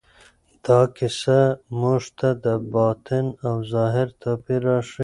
دا کیسه موږ ته د باطن او ظاهر توپیر راښيي.